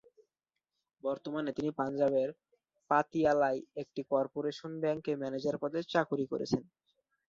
বর্তমানে তিনি পাঞ্জাবের পাতিয়ালায় একটি কর্পোরেশন ব্যাংকে ম্যানেজার পদে চাকুরি করছেন।